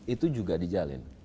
itu juga dijalin